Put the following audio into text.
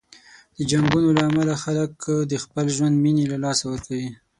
د جنګونو له امله خلک د خپل ژوند مینې له لاسه ورکوي.